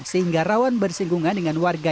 sehingga rawan bersinggungan dengan warga